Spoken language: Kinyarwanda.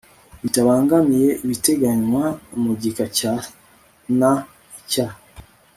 bitabangamiye ibiteganywa mu gika cya n icya